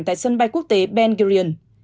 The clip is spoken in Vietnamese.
tại sân bay quốc tế ben gurion